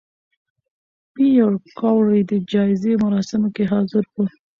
پېیر کوري د جایزې مراسمو کې حاضر و؟